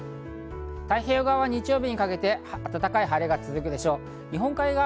太平洋側は日曜日にかけて暖かい晴れが続くでしょう。